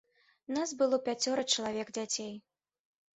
Нас было пяцёра чалавек дзяцей.